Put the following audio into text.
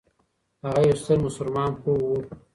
هغه یو ستر مسلمان پوه و.